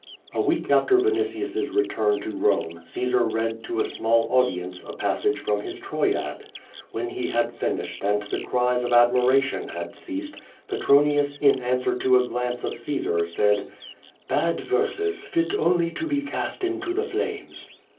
A week after A'initius's return to Rome, Caesar read to a small audience a passage from his Troyad. \Vh*»n he had finished and the cries of admiration had ceased, Petronius in answer to a glance of (*ae«ir, said: "Bad verses, fit only to be cast into the flames.''